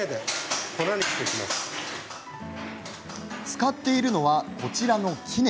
使っているのはこちらの杵。